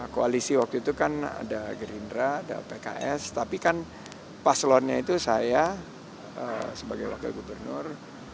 koalisi waktu itu kan ada gerindra ada pks tapi kan paslonnya itu saya sebagai wakil gubernur